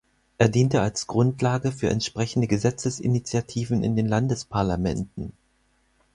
Er diente als Grundlage für entsprechende Gesetzesinitiativen in den Landesparlamenten.